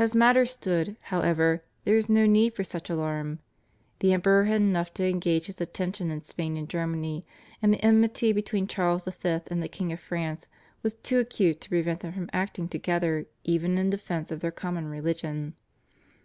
As matters stood, however, there was no need for such alarm. The Emperor had enough to engage his attention in Spain and Germany, and the enmity between Charles V. and the King of France was too acute to prevent them from acting together even in defence of their common religion.